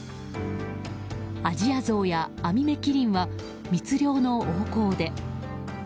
アジアゾウやアミメキリンは密漁の横行で。